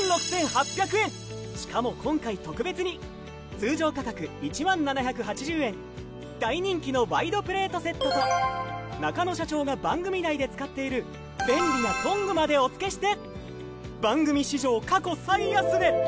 しかも今回特別に通常価格１０，７８０円大人気のワイドプレートセットと中野社長が番組内で使っている便利なトングまでお付けして。